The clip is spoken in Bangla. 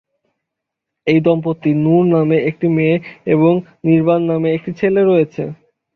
এই দম্পতির নূর নামে একটি মেয়ে এবং নির্বাণ নামে একটি ছেলে রয়েছে।